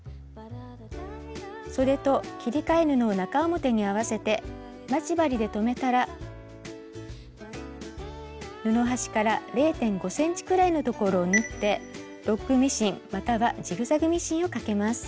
そでと切り替え布を中表に合わせて待ち針で留めたら布端から０．５ｃｍくらいのところを縫ってロックミシンまたはジグザグミシンをかけます。